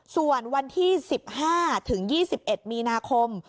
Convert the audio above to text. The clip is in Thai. ส่วนวันที่๑๕ถึง๒๑มีนาคม